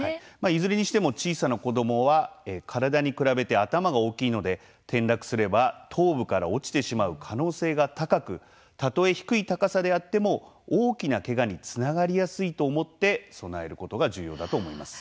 いずれにしても小さな子どもは体に比べて頭が大きいので転落すれば頭部から落ちてしまう可能性が高くたとえ低い高さであっても大きなけがにつながりやすいと思って備えることが重要だと思います。